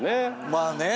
まあね。